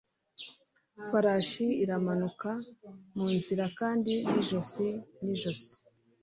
farashi iramanuka munzira kandi ni ijosi nijosi